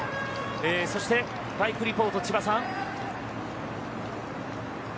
そしてバイクリポート・千葉さん。